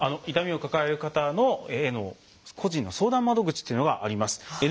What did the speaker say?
痛みを抱える方の個人の相談窓口というのがあります。